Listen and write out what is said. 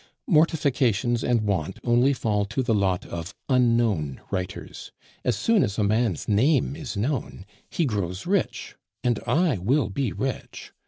Mortifications and want only fall to the lot of unknown writers; as soon as a man's name is known, he grows rich, and I will be rich.